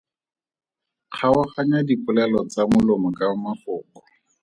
Kgaoganya dipolelo tsa molomo ka mafoko.